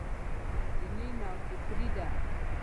دیني نوفکري دی.